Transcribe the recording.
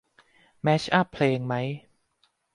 แมชอัปเพลงไหม